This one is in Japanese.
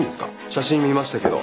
写真見ましたけど。